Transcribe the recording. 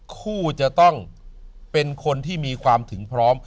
คู่จะต้องเป็นคนที่มีความถึงพร้อม